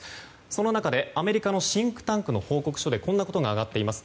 その中でアメリカのシンクタンクの報告書でこういうことが上がっています。